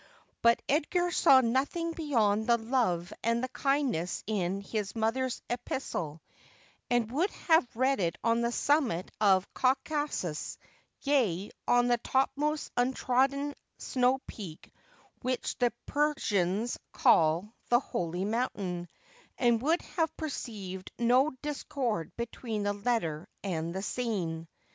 But Edgar saw nothing beyond the love and the kindness in his mother's epistle, and would have read it on the summit of Caucasus, yea, on that topmost untrodden snow peak which the Persians call the Holy Mountain, and would have perceived no discord between the letter and the scene.